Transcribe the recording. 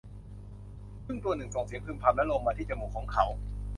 ผึ้งตัวหนึ่งส่งเสียงพึมพำและลงมาที่จมูกของเขา